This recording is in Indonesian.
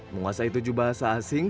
menguasai tujuh bahasa asing